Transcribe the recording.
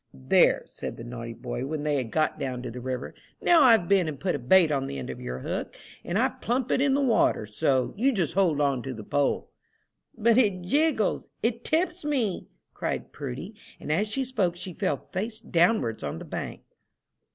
"There," said the naughty boy, when they had got down to the river, "now I've been and put a bait on the end of your hook, and I plump it in the water so. You just hold on to the pole." "But it jiggles it tips me!" cried Prudy; and as she spoke she fell face downwards on the bank.